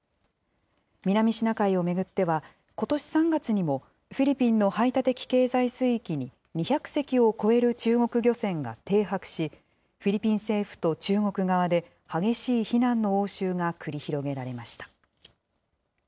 南シナ海を巡っては、ことし３月にも、フィリピンの排他的経済水域に、２００隻を超える中国漁船が停泊し、フィリピン政府と中国側で激しい非難の応酬が繰り広げられました。